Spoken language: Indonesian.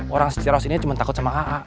orang cerahoste ini cuma takut sama aa